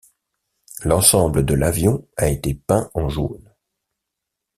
L'ensemble de l'avion a été peint en jaune.